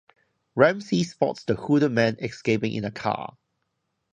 Ramsey spots the hooded man escaping in a car.